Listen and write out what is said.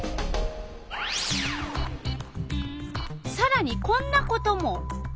さらにこんなことも。